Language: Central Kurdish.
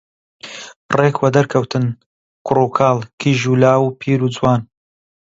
ڕێک وەدەرکەوتن کوڕوکاڵ، کیژ و لاو، پیر و جوان